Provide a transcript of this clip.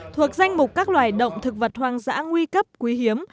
thuộc danh mục các loài động thực vật hoang dã nguy cấp quý hiếm